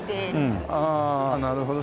ああなるほど。